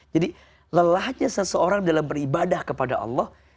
jadi lalahnya seseorang dalam beribadah kepada allah